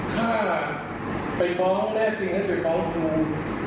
ข้าไปฟ้องแน่จริงให้ไปฟ้องครู